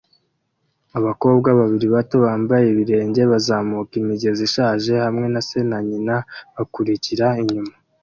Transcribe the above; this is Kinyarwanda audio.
Abakobwa babiri bato bambaye ibirenge bazamuka imigezi ishaje hamwe na se na nyina bakurikira inyuma